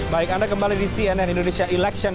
baik anda kembali di cnn indonesia election